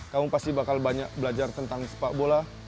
kamu pasti bakal banyak belajar tentang sepak bola